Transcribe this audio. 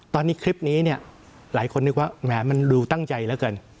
ตอนนี้คลิปนี้เนี่ยหลายคนนึกว่าแหมมันดูตั้งใจแล้วกัน